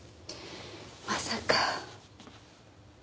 まさか。